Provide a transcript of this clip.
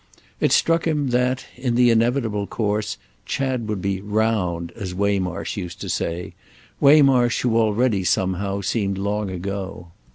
It struck him that, in the inevitable course, Chad would be "round," as Waymarsh used to say—Waymarsh who already, somehow, seemed long ago.